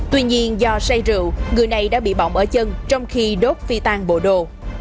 tuy nhiên do say rượu người này đã bị bỏng ở chân trong khi đốt phi tan bộ đồ